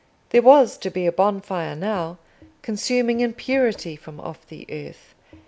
There was to be a bonfire now, consuming impurity from off the earth.